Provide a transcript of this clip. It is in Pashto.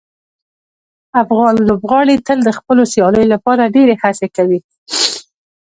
افغان لوبغاړي تل د خپلو سیالیو لپاره ډیرې هڅې کوي.